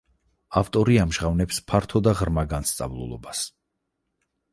ავტორი ამჟღავნებს ფართო და ღრმა განსწავლულობას.